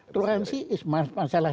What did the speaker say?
toleransi is masalah